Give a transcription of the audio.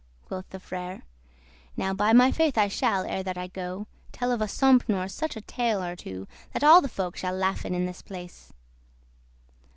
quoth the Frere; "Now by my faith I shall, ere that I go, Tell of a Sompnour such a tale or two, That all the folk shall laughen in this place."